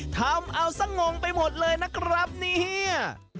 ทำเอาซะงงไปหมดเลยนะครับเนี่ย